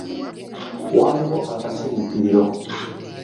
Waaliwo akasasirikiriro.